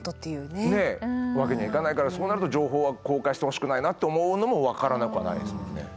ねえわけにはいかないからそうなると情報は公開してほしくないなって思うのも分からなくはないですもんね。